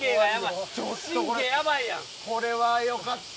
これはよかった。